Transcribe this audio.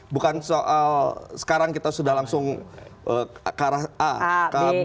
bukan soal sekarang kita sudah langsung ke arah a ke b